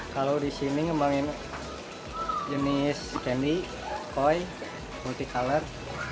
kalau di sini ngembangin jenis candy koi multicolor